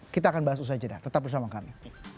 kita akan bahas itu saja dah tetap bersama kami